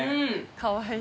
かわいい。